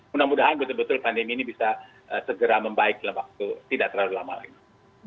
mudah mudahan betul betul pandemi ini bisa segera membaik dalam waktu tidak terlalu lama lagi